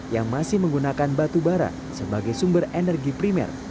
yang masih menggunakan batubara sebagai sumber energi primer